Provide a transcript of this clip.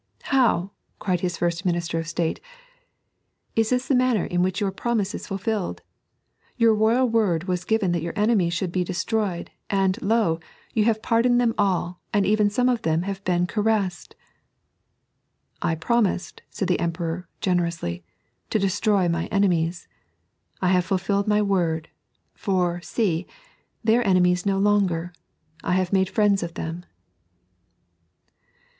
" How I " cried his first Minister of State, " is this the manner in which your promise is fulfilled f Your royal word was gives that your enemies should be destroyed, and, lo, you have pardoned them all, and even some of them have been caiessed." " I promised," said the Emperor, generously, " to destroy my enemies. I have fulfilled my word ; for, see, they are enemies no longer ; I have made friends of them."